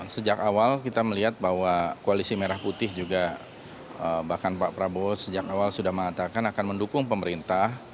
sejak awal kita melihat bahwa koalisi merah putih juga bahkan pak prabowo sejak awal sudah mengatakan akan mendukung pemerintah